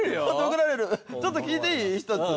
ちょっと聞いていい１つ。